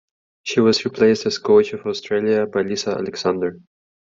She was replaced as coach of Australia by Lisa Alexander.